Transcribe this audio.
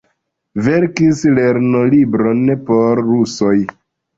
Verkis lernolibron por rusoj.